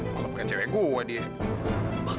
kalau bukan cewek gue dia